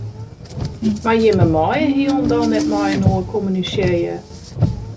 Mar jimme meie hielendal net mei-inoar kommunisearje.